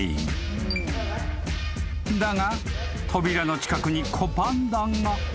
［だが扉の近くに子パンダが］